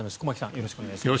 よろしくお願いします。